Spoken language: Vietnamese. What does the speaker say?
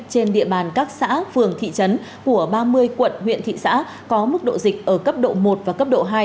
trên địa bàn các xã phường thị trấn của ba mươi quận huyện thị xã có mức độ dịch ở cấp độ một và cấp độ hai